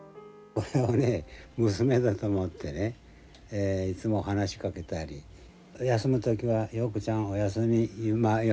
これはね娘だと思ってねいつも話しかけたり休む時は「瑤子ちゃんおやすみ」いうような言葉を。